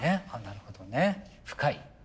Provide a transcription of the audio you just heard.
なるほどね深い。